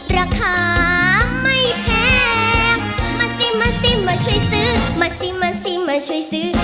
ราคาไม่แพง